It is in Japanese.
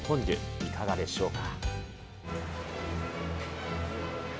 いかがでしょうか。